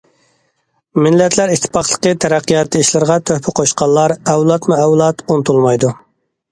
مىللەتلەر ئىتتىپاقلىقى- تەرەققىياتى ئىشلىرىغا تۆھپە قوشقانلار ئەۋلادمۇ ئەۋلاد ئۇنتۇلمايدۇ!